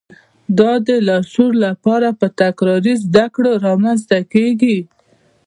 دا د لاشعور لپاره په تکراري زده کړو رامنځته کېږي